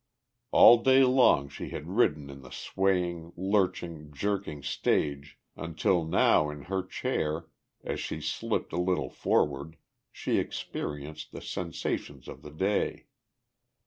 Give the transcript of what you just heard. All day long she had ridden in the swaying, lurching, jerking stage until now in her chair, as she slipped a little forward, she experienced the sensations of the day.